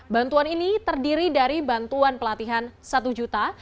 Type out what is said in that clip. bantuan ini terdiri dari bantuan pelatihan satu juta